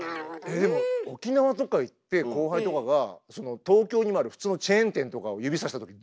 え沖縄とか行って後輩とかが東京にもある普通のチェーン店とかを指さしたときどう思います？